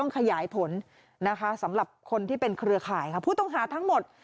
ขยายผลนะคะสำหรับคนที่เป็นเครือข่ายค่ะผู้ต้องหาทั้งหมด